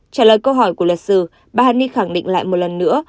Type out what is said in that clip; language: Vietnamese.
trả lời câu hỏi của luật sư bà hằng nhi khẳng định lại một lần nữa